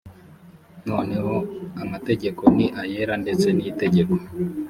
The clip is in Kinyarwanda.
noneho amategeko ni ayera ndetse n itegeko